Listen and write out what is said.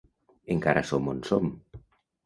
Encara som on som.